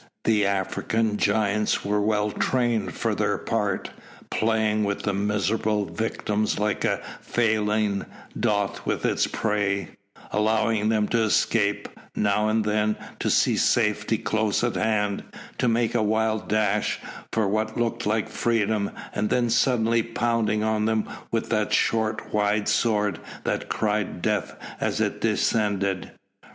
The African giants were well trained for their part, playing with the miserable victims like a feline doth with its prey, allowing them to escape, now and then, to see safety close at hand, to make a wild dash for what looked like freedom, and then suddenly bounding on them with that short wide sword that cried death as it descended.